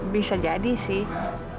bisa jadi sih